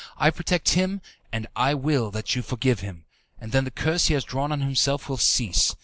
I protect him, and I will that you forgive him, and then the curse he has drawn on himself will cease.